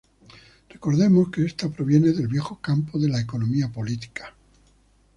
Recordemos que esta proviene del viejo campo de la economía política.